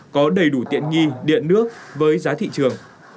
có đầy đủ tiện nghi điện nước với giá thị trường